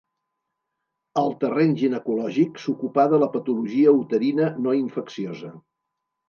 Al terreny ginecològic s'ocupà de la patologia uterina no infecciosa.